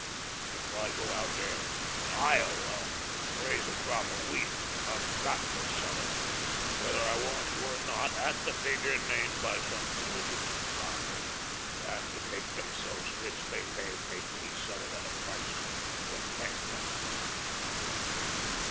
But if I go out here in Iowa and raise a crop of wheat, I've got to sell it, whether I want to or not at the figure named by some fellows in Chicago. And to make themselves rich, they may make me sell it at a price that bankrupts me."